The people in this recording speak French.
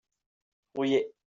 Rouillé.